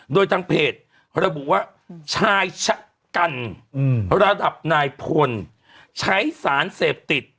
โดยทางเพจระบุว่าชายชะกันระดับนายพลใช้สารเสพติด